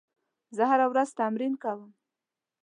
زه هره ورځ تمرین کوم.